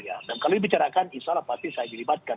dan kalau dibicarakan insya allah pasti saya dilibatkan